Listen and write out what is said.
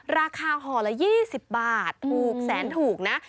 ห่อละ๒๐บาทถูกแสนถูกนะ